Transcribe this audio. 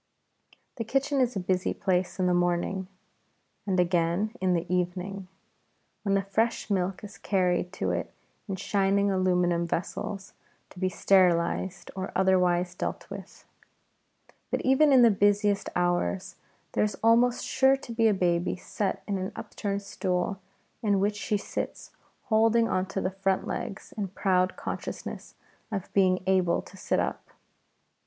The kitchen is a busy place in the morning, and again in the evening, when the fresh milk is carried to it in shining aluminium vessels to be sterilized or otherwise dealt with. But even in the busiest hours there is almost sure to be a baby set in an upturned stool, in which she sits holding on to the front legs in proud consciousness of being able to sit up.